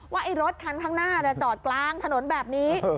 ว่าไอ้รถคันข้างหน้าจอดกลางถนนแบบนี้